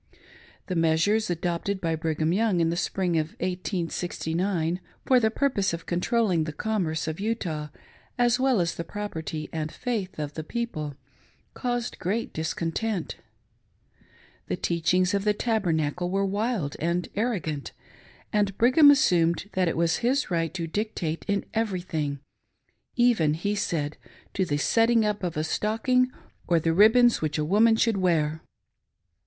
The measures adopted by Brigham Young in the spring of 1869, for the purpose of controlling the commerce of Utah, as well as the property and faith of the people, caused great discontent; The teachings of the Tabernacle were wild and arrogant, and Brigham assumed that it was his right to dictate in every thing, " even," he said, " to the setting up of a stocking or the ril;>bons which a woman should wear."